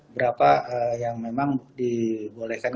berapa yang memang dibolehkan